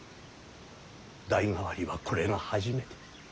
代替わりはこれが初めて。